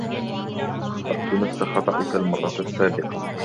أخطأت نفس خطإكَ المرة السابقة.